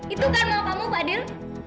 itu kan mau kamu fadil